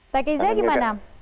tak izah gimana